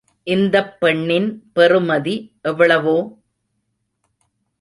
இந்தப் பெண்ணின் பெறுமதி எவ்வளவோ?